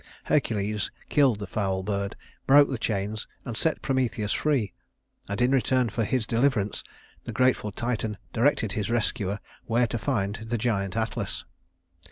Hercules killed the foul bird, broke the chains, and set Prometheus free; and in return for his deliverance the grateful Titan directed his rescuer where to find the giant Atlas.